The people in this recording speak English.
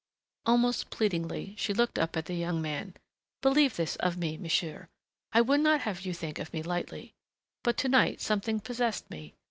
Almost pleadingly she looked up at the young man. "Believe this of me, monsieur. I would not have you think of me lightly. But to night something possessed me.